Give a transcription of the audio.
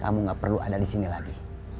kamu gak perlu ada disini lagi